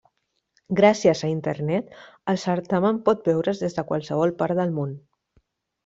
Gràcies a Internet, el certamen pot veure's des de qualsevol part del món.